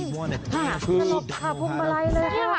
นั่งหลบขาพวงมาลัยเลยค่ะ